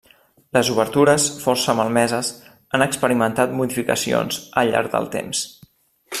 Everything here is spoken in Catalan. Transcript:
Les obertures, força malmeses, han experimentat modificacions al llarg del temps.